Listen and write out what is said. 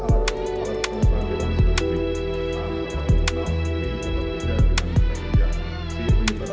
a pertimbangan di perjalanan